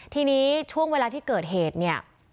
ทีนี้ช่วงเวลาที่เกิดเหตุเนี่ย